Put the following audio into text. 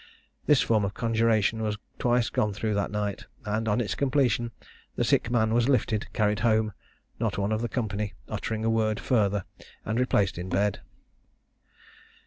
This form of conjuration was twice gone through that night; and, on its completion, the sick man was lifted, carried home not one of the company uttering a word further and replaced in bed.